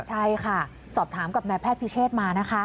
ใช่ค่ะสอบถามกับนายแพทย์พิเชษมานะคะ